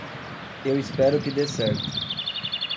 Eu espero que dê certo.